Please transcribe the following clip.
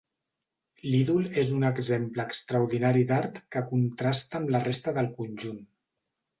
L'ídol és un exemple extraordinari d'art que contrasta amb la resta del conjunt.